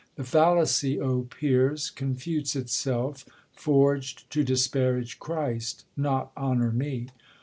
The fallacy, O peers, confutes itself, Forg'd to disparage Christ, not honor me.